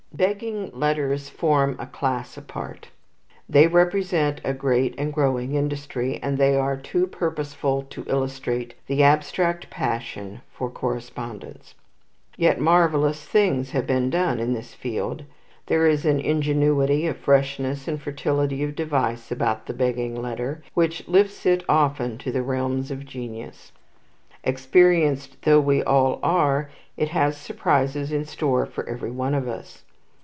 Begging letters form a class apart. They represent a great and growing industry, and they are too purposeful to illustrate the abstract passion for correspondence. Yet marvellous things have been done in this field. There is an ingenuity, a freshness and fertility of device about the begging letter which lifts it often to the realms of genius. Experienced though we all are, it has surprises in store for every one of us.